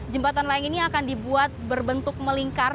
jembatan layang ini akan dibuat berbentuk melingkar